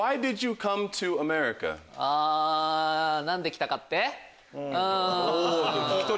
何で来たかって？